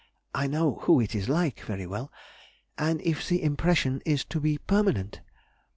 (I know who it is like very well) and if the impression is to be permanent?